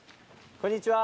こんにちは。